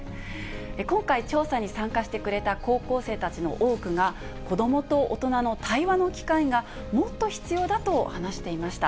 今回、調査に参加してくれた高校生たちの多くが、子どもと大人の対話の機会がもっと必要だと話していました。